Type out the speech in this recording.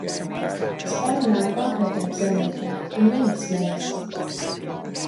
Es parunāju ar konkrētiem zemniekiem, un viņi smejas.